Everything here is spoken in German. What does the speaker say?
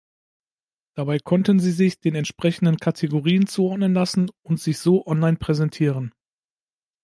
Dabei konnten sie sich den entsprechenden Kategorien zuordnen lassen und sich so online präsentieren.